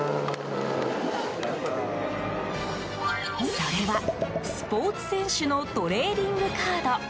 それは、スポーツ選手のトレーディングカード。